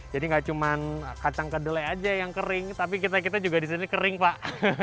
nggak cuma kacang kedelai aja yang kering tapi kita juga disini kering pak